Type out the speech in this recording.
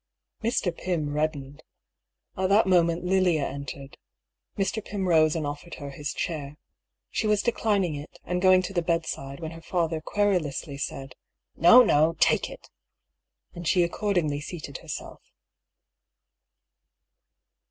Mr. Pym reddened. At that moment Lilia entered. Mr. Pym rose and offered her his chair. She was de clining it, and going to the bedsidiB, when her father querulously said, " No, no ; take it !" and she accord ingly seated herself.